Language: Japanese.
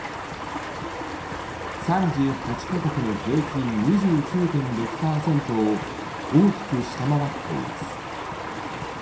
３８カ国の平均２９．６％を大きく下回っています。